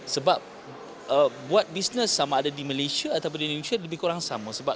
sebab buat bisnis sama ada di malaysia atau di indonesia lebih kurang sama